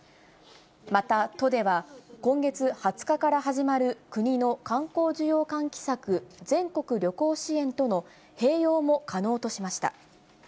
また、都では今月２０日から始まる国の観光需要喚起策、全国旅行支援との併用も可能としました。